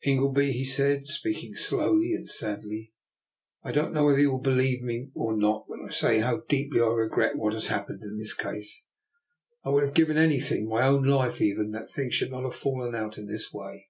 " Ingleby," he said, speaking slowly and sadly, " I don't know whether you will be lieve me or not when I say how deeply I re gret what has happened in this case. I would have given anything, my own life even, that things should not have fallen out in this way.